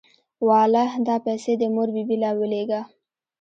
واله دا پيسې دې مور بي بي له ولېګه.